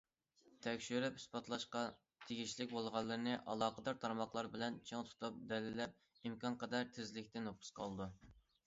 تەكشۈرۈپ ئىسپاتلاشقا تېگىشلىك بولغانلىرىنى ئالاقىدار تارماقلار بىلەن چىڭ تۇتۇپ دەلىللەپ، ئىمكانقەدەر تېزلىكتە نوپۇسقا ئالىدۇ.